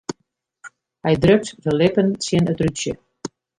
Hy drukt de lippen tsjin it rútsje.